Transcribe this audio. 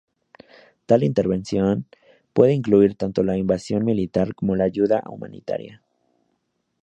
Tal intervención puede incluir tanto la invasión militar como la ayuda humanitaria.